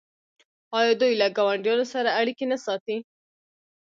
آیا دوی له ګاونډیانو سره اړیکې نه ساتي؟